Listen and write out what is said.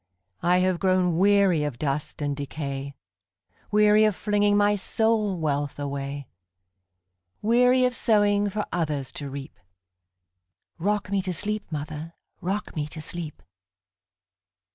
I have grown weary of dust and decay,—Weary of flinging my soul wealth away; Weary of sowing for others to reap;—Rock me to sleep, mother,—rock me to sleep!